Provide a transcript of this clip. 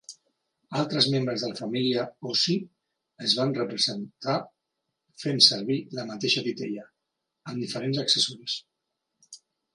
Altres membres de la família Ossie es van representar fent servir la mateixa titella, amb diferents accessoris.